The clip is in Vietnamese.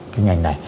cái ngành này